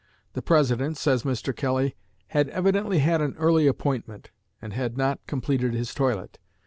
The President, says Mr. Kelly, "had evidently had an early appointment, and had not completed his toilet.